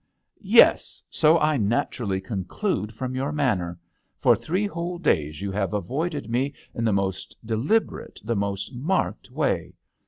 " Yes, so I naturally conclude from your manner. For three whole days you have avoided me in the most deliberate, the most marked way.